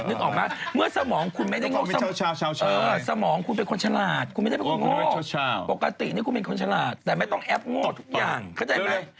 นึกออกไหมเมื่อสมองคุณไม่ได้โง่สมุดสมองคุณเป็นคนฉลาดคุณไม่ได้เป็นคนโง่ปกตินี่คุณเป็นคนฉลาดแต่ไม่ต้องแอปโง่ทุกอย่างเข้าใจไหม